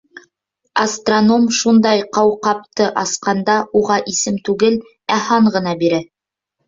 Астроном шундай ҡауҡабты асҡанда уға исем түгел, ә һан ғына бирә.